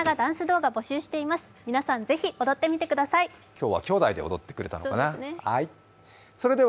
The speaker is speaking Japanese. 今日はきょうだいで踊ってくれたのかな。